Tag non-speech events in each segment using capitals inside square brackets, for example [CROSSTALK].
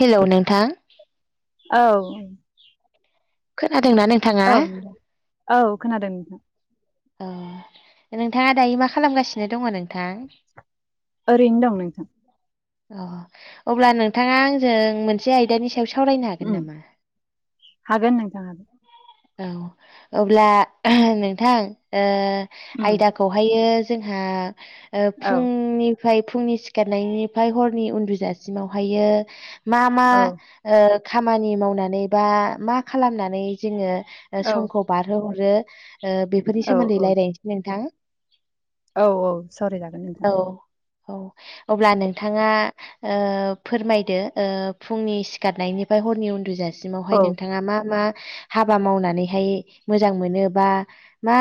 Hello नोंथां औ खोनादोंना नों ओं औ खोनादों। एह नोंथाङा दायो मा खालामगासिनो दङ नों थां ओरैनो दं नोंथां अब्ला नोंथाङा आंजों मोनसे सायाव सावरायनो हागोन उम नामा? हागोन नोंथां हागोन औ अब्ला नोंथां ओ उम आयदाखौहायो जोंहा ओ औ फुंनि फाय फुंनि सिखारनायनिफाय हरनि उन्दुजासिमावहायो मा मा औ ओ खामानि मावनानै बा मा खालामनानै जोङो औ समखौ बारहोहरो ओ बेफोरनि औ सोमोन्दै रायलायनोसै नोंथां। औ औ सावराय जागोन औ नोंथां। औ अब्ला नोंथाङा ओ फोरमायदो ओ फुंनि सिखारनायनिफ्राय हरनि उन्दुजा सिमावहाय औ नोंथाङा मा मा हाबा मावनानैहाय मोजां मोनो बा मा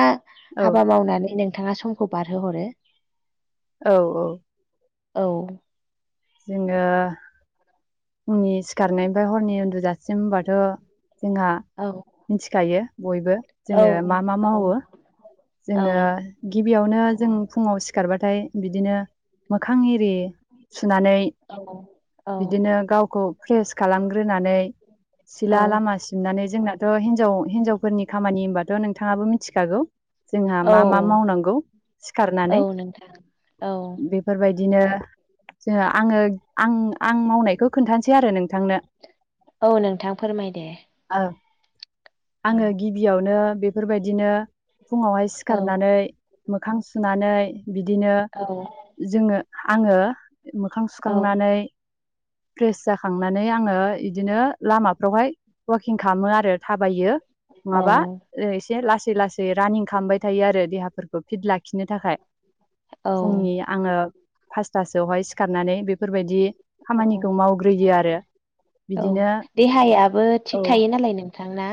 औ हाबा मावनानै नोंथाङा समखौ बारहोहरो। औ औ औ- जोङो फुंनि सिखारनायनिफ्राय हरनि उन्दुजासिम होनबाथ' जोंहा औ मिथिखायो बयबो औ जोङो मा मा औ मावो? जोङो गिबियावनो जों फुङाव सिखारबाथाय बिदिनो मोखां एरि सुनानै औ औ बिदिनो गावखौ फ्रेस खालामग्रोनानै औ सिला लामा सिबनानै जोंनाथ' हिनजाव हिनजावफोरनि खामानि होनबाथ' नोंथाङाबो मिथिखागौ। जोंहा मा मा औ मावनांगौ औ सिखारनानै नोंथां औ बेफोरबायदिनो जोङो आङो आं आं मावनायखौ खोन्थानोसै आरो नोंथांनो। औ नोंथां फोरमाय दे। औ आङो गिबियावनो बेफोरबायदिनो फुङावहाय औ सिखारनानै मोखां सुनानै बिदिनो औ जोङो आङो मोखां औ सुखांनानै फ्रेस जाखांनानै आङो इदिनो लामाफ्रावहाय वाकिं खालामो आरो थाबायो। औ नङाबा एसे लासै लासै रानिं खालामबाय थायो आरो देहाफोरखौ फिट लाखिनो थाखाय। फुंनि औ आङो फासथासोआवहाय सिखारनानै बेफोरबायदि औ खामानिखौ मावग्रोयो आरो औ बिदिनो देहायाबो थिग थायो नालाय नों थां ना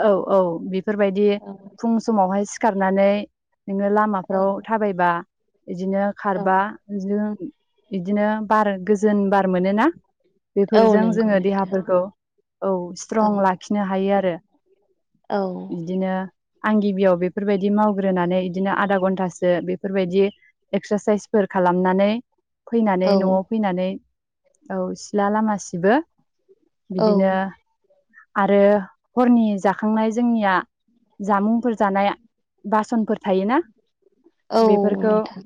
औ औ बेफोरबायदि औ फुं समावहाय सिखारनानै नोङो औ लामाफ्राव थाबायबा बिदिनो औ खारबा इदिनो बिदिनो बार गोजोन बार मोनोना। औ बेफोरजों नंगौ जोङो नोंथां देहाफोरखौ औ औ स्ट्रं लाखिनो हायो आरो। औ बिदिनो आं गिबियाव बेफोरबायदि मावग्रोनानै बिदिनो आधा घन्टासो बेफोरबायदि एक्सारसाइसफोर खालामनानै फैनानै औ न'आव फैनानै औ सिला लामा सिबो। औ बिदिनो आरो हरनि जाखांनाय जोंनिया जामुंफोर जानाय बासनफोर थायोना औ बेफोरखौ नोंथां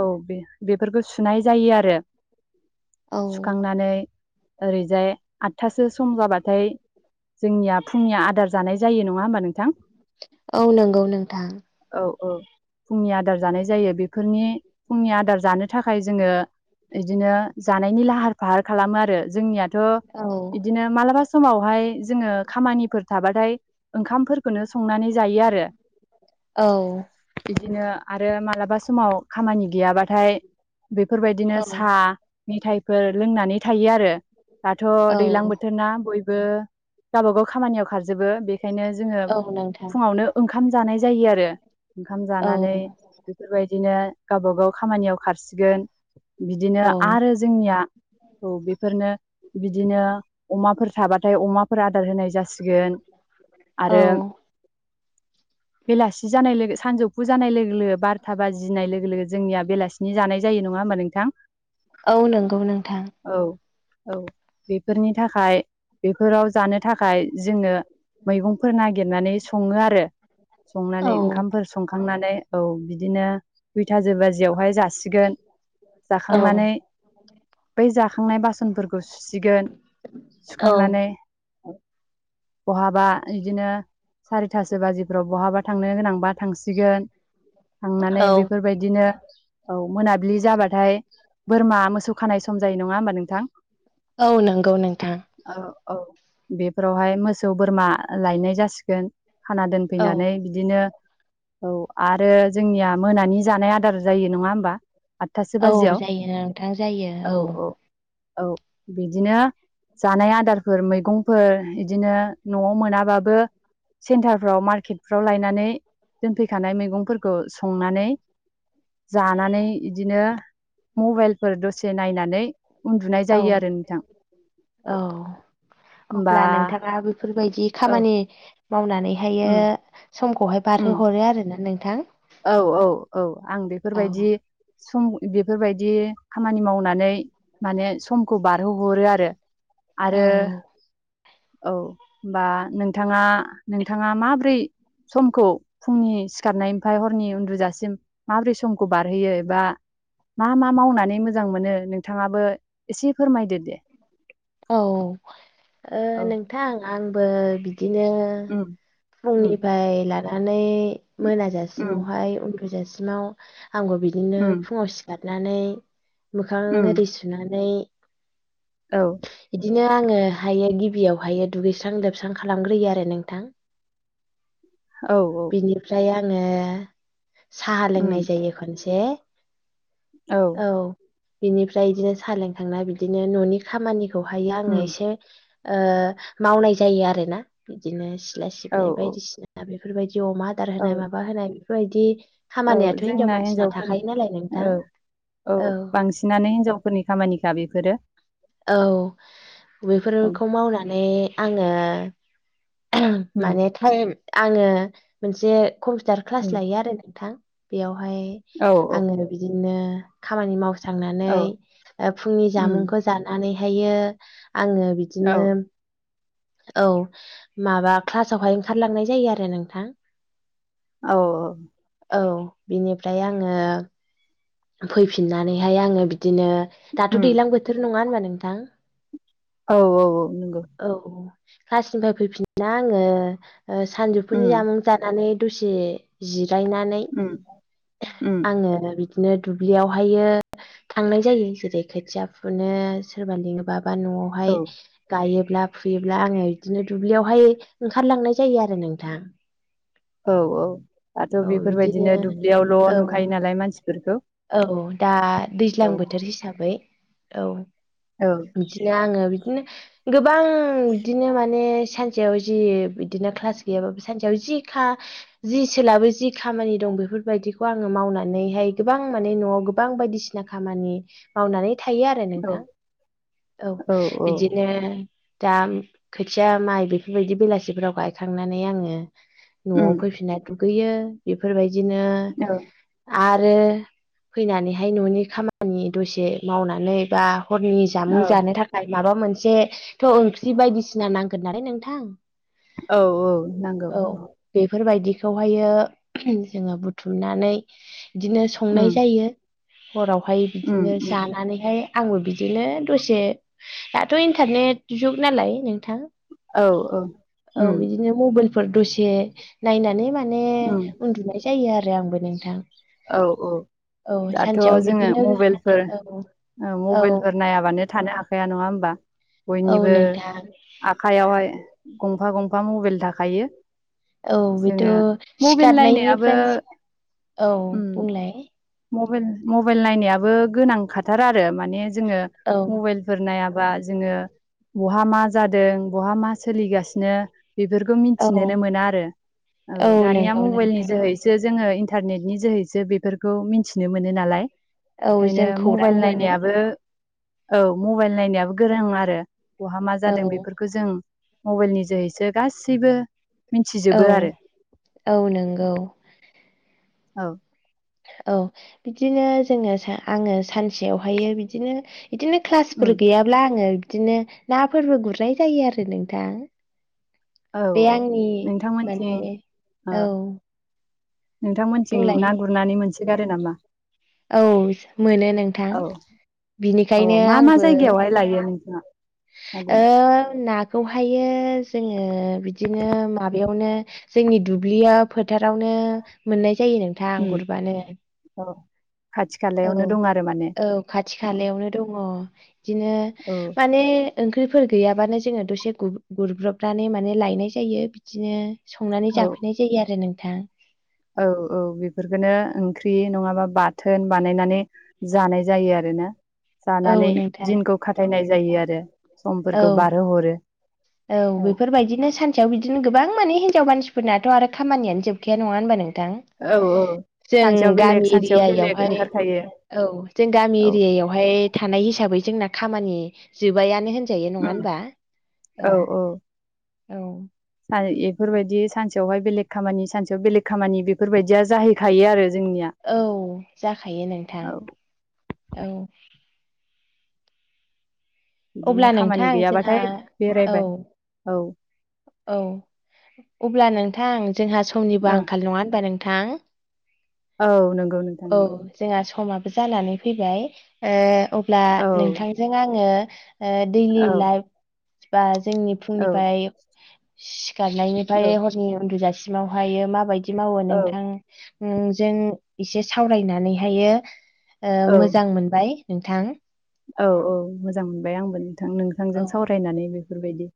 औ बे बेफोरखौ सुनाय जायो आरो औ सुखांनानै ओरैजाय आदथासो सम जाबाथाय जोंनिया फुंनिया आदार जानाय जायो नङा होमबा नों औ नोंगौ नोंथां। औ-औ फुंनि आदार जानाय जायो बेफोरनि फुंनि आदार जानो थाखाय जोङो इदिनो जानायनि लाहार फाहार खालामो आरो जोंनिया औ थ' इदिनो मालाबा समावहाय जोङो खामानिफोर थाबाथाय ओंखामफोरखौनो संनानै जायो [UNINTELLIGIBLE] औ। बिदिनो आरो मालाबा समाव खामानि गैयाबाथाय बेफोरबायदिनो औ सा मिथायाइफोर लोंनानै थायो आरो। दाथ' औ दैलां बोथोरना बयबो गावबा गाव खामानियाव खारजोबो बे बेखायनो जोङो औ नोंथां फुङावनो ओंखाम जानाय जायो आरो ओंखाम औ जानानै बेफोरबायदिनो गावबा गाव खामानियाव खारसिगोन औ बिदिनो आरो जोंनिया औ बेफोरनो बिदिनो अमाफोर थाबाथाय अमाफोर आदार होनाय जासिगोन औ आरो बेलासि जानाय लोगो सानजौफु जानाय लोगो-लोगो बारथा बाजिनाय लोगो-लोगो जोंनिया बेलासिनि जानाय जायो नङा होमबा नोंथां? औ नोंगौ नोंथां। औ-औ बेफोरनि थाखाय बेफोराव जानो थाखाय जोङो मैगंफोर नागिरनानै सङो आरो औ संनानै ओंखामफोर संखांनानै औ बिदिनो दुइथाजो बाजियावहाय जासिगोन औ जाखांनानै बै जाखांनाय बासनफोरखौ सुसिगोन औ सुखांनानै [INAUDIBLE] बहाबा इदिनो सारिथासो बाजिफ्राव बहाबा थांनो गोनांबा थांसिगोन। थांनानै औ बेफोरबायदिनो औ मोनाबिलि जाबाथाय बोरमा मोसौ खानाय सम जायो नङा होमबा नोंथां? औ नोंगौ नोंथां। औ-औ बेफोरावहाय मोसौ बोरमा लायनाय जासिगोन। खाना औ दोनफैनानै [UNINTELLIGIBLE] दिनो औ आरो जोंनिया मोनानि जानाय आदार जायो नङा होमबा? आतथासो औ बाजियाव जायो नोंथां जायो औ औ-औ। औ बिदिनो जानाय आदारफोर मैगं फोर इदिनो न'आव मोनाबाबो सेन्टारफ्राव मार्केटफ्राव लायनानै दोनफैखानाय मैगंफोरखौ संनानै जानानै इदिनो मबाइलफोर दसे नायनानै उन्दुनाय औ जायो आरो नोंथां। औ होमबा अब्ला नोंथाङा बेफोरबायदि औ खामानि मावनानै उम [UNINTELLIGIBLE] समखौहाय बारहो हरो आरोना नोंथां? औ-औ-औ आं औ बेफोरबायदि सम बेफोरबायदि खामानि मावनानै माने समखौ बारहोहरो आरो। औ आरो औ बा नोंथाङा नोंथाङा माब्रै समखौ फुंनि सिखारनाय ओमफ्राय हरनि उन्दुजासिम माबोरै समखौ बारहोयो एबा मा मा मावनानै मोजां मोनो नोंथाङाबो एसे फोरमायदो दे। औ औ ओ औ नोंथां आंबो बिदि बिदिनो उम उम फुंनिफ्राय लानानै मोना जासे उम सिवावहाय उनदुजासिमाव आंबो बिदिनो उम फुङाव सिखारनानै मोखां उम ओरि सुनानै औ बिदिनो आङो हायो गिबियावहायो दुगैस्रां लोबस्रां खालामग्रोयो आरो नोंथां औ औ बिनिफ्राय आङो साहा उम लोंनाय जायो खनसे औ औ बिनिफ्राय बिदिनो सा लोंखांनाय बिदिनो न'नि खामानिखौ आङो उम एसे ओ मावनाय जायो आरोना बिदिनो सिला औ सिबनाय औ बायदिसिना बेफोरबायदि अमा आ आदार होनाय औ माबा होनाय बेफोरबायदि औ खामानियाथ' हिनजाव जोंना मानसिना थाखायो नालाय हिनजावफोरनि नोंथां ओ औ बांसिनानो हिनजाव फोरनि खामानिखा बेफोरो औ औ बेफोरखौ मावनानै आङो उम माने थाइम आङो मोनसे कम्पिउटार क्लास उम लायो आरो नोंथां बेयावहाय औ औ आङो बिदिनो खामानि माव फोसांनानै औ फुंनि उम जामुंखौ जानानैहायो आङो औ बिदिनो औ माबा क्लासावहाय ओंखारलांनाय जायो आरो नोंथां औ औ बिनिफ्राय आङो फैफिननानैहाय आङो बिदिनो दाथ' उम दै्लां बोथोर नङा होनबा नोंथां औ औ औ नंगौ औ क्लासनिफ्राय फैफिन ना आङो सानजौफुनि उम जामुं जानानै दसे जिरायनानै उम उम आङो बिदिनो दुब्लियावहायो थांनाय जायो जेरै खोथिया फुनो सोरबा लिङोब बा औ न'आवहाय गायोब्ला फुयोब्ला आङो बिदिनो दुब्लियावहाय ओंखारलांनाय जायो आरो नोंथां औ औ दाथ' औ बिदिनो बेफोरबायदिनो दुब्लियावल' औ नुखायो नालाय मानसिफोरखौ औ दा दैज्लां औ बोथोर हिसाबै औ औ बिदिनो आङो बिदिनो गोबां बिदिनो माने सानसेयाव जि बिदिनो क्लास गैयाबाबो सानसेयाव जि खा जि सोलाबो जि खामानि दं बेफोरबायदिखौ आङो मावनानैहाय गोबां माने न'आव गोबां बायदिसिना खामानि मावनानै थायो आरो आरो औ नोंथां औ बिदिनो दाम खोथिया माइ बेफोरबायदि बेलासिफोराव गायखांनानै आङो न'आव उम फैफिननाय दुगैयो बेफोरबायदिनो औ आ रो फैनानैहाय न'नि खामानि दसे मावनानै बा हरनि जामुं औ जानो थाखाय माबा मोनसेथ' ओंख्रि बायदिसिना नांगोन नालाय नोंथां औ औ नांगौ औ बेफोरबायदिखौहायो जोङो बुथुमनानै बिदिनो संनाय उम जायो हरावहाय उम बिदिनो उम जानानैहाय आंबो बिदिनो दसे दाथ' इन्टारनेट जुग नालाय नोंथां औ औ औ उम बिदिनो मबेलफोर दसे नायनानै माने उम उन्दुनाय जायो आरो आंबो नोंथां औ औ औ दाथ' सानसेयाव जोङो बिदिनो मबाइलफोर औ ओ औ मबाइलफोर नायाबानो थानो हाखाया नङा होमबा औ बयनिबो नोंथां आखाइयावहाय गंफा गंफा मबाइल थाखायो औ बिथ' जोङो मबाइल नायनायाबो सिखारनायनिफ्राय औ उम बुंलाय मबाइल मबाइल नायनायाबो गोनांखाथार आरो माने जोङो औ मबाइल फोर नायाबा जोङो बहा मा जादों बहा मा सोलिगासिनो बेफोरखो औ मिथिनोनो मोना आरो औ दानिया नंगौ नोंथां [UNINTELLIGIBLE] जोङो इन्टारनेटनि जोहैसो बेफोरखौ मिनथिनो मोनो नालाय औ ओंखायनो जों खौरां मबाइल मोनो नायनायाबो औ मबाइल नायनायाबो गोरों औ आरो बहा मा जादों बेफोरखो जों मबाइलनि जोहैसो गासैबो औ मिथिजोबो आरो औ नंगौ औ औ बिदिनो जोङो सा आङो सानसेयावहायो बिदिनो बिदिनो उम क्लासफोर गैयाब्ला आङो बिदिनो नाफोरबो गुरनाय जायो आरो नोंथां औ बे औ आंनि नोंथांमोनथिं माने ओ औ नोंथांमोनथिं बुंलाय ना गुरनानै मोनसोगारो नामा? औ मोनो नोंथां औ औ बिनिखायनो मा मा आंबो जायगायावहाय लायो नोंथाङा ना ओ गुरनो? ना खौहायो जोङो बिदिनो माबायावनो जोंनि दुब्लियाव फोथारावनो मोननाय जायो नोंथां उम गुरबानो औ खाथि औ खालायावनो दं आरो माने औ खाथि औ खालायावनो दङ बिदिनो औ माने ओंख्रिफोर गैयाबानो जोङो दसे गुरब्रबनानै माने लायनाय जायो बिदिनो संनानै औ जाफैनाय जायो आरो नोंथां औ औ बेफोरखौनो ओंख्रि नङाबा बाथोन बानायनानै जानाय जायो आरो ना औ जानानै नोंथां दिनखौ खाथायनाय जायो आरो औ समफोरखौ बारहोहरो औ बेफोरबायदिनो सान सेयाव बिदिनो गोबां माने हिनजाव मानसिफोरनाथ' आरो खामानियानो जोबखाया नङा होनबा नोंथां औ औ सानसेयाव जों बेलेग गामि सानसेयाव बेलेग एरियायावहाय ओंखारखायो औ जों गामि औ एरियायावहाय थानाय हिसाबै जोंना खामानि जोबायानो होनजायो नङा उम होनबा औ औ [UNINTELLIGIBLE] इफोरबायदि सानसेयावहाय बेलेग खामानि सानसेयाव बेलेग खामानि बेफोरबायदिया जाहै खायो आरो जों औ जाखायो नोंथां औ अब्ला बिदिनो खामानि नोंथां जोंहा गैयाबाथाय औ बेरायबाय औ औ अब्ला नोंथां जोंहा समनिबो ओ आंखाल नङा होनबा नोंथां औ नंगौ नोंथां औ नंगौ जोंहा समाबो जानानै फैबाय ओ अब्ला औ नोंथांजों आङो ओ दैलि औ लाइफ बा जोंनि औ फुंनिफाय सिखारनायनिफ्राय हरनि उन्दुजासिमावहायो माबायदि मावो औ नोंथां उम जों एसे सावरायनानैहायो ओ औ मोजां मोनबाय नोंथां औ औ मोजां मोनबाय आंबो नोंथां औ नोंथांजों सावरायनानै बेफोरबायदि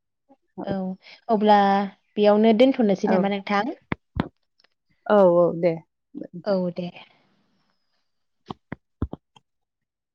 औ अब्ला बेयावनो दोनथ' थननोसै औ नामा नोंथां औ औ दे औ दे